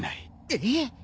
えっ！？